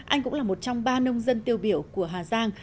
anh cũng là một trong ba nông dân tiêu biểu của hà giang